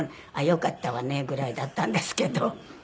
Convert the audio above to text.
「よかったわね」ぐらいだったんですけど。